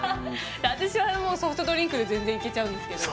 私はもうソフトドリンクで全然いけちゃうんですけど